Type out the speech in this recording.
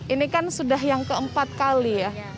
ini kan sudah yang keempat kali ya